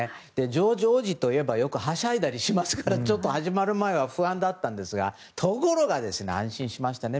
ジョージ王子といえばよくはしゃいだりしますからちょっと始まる前は不安だったんですがところが、安心しましたね